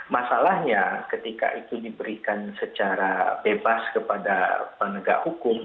masalahnya ketika itu diberikan secara bebas kepada penegak hukum